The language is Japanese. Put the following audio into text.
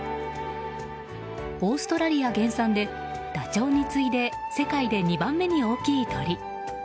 オーストラリア原産でダチョウに次いで世界で２番目に大きい鳥。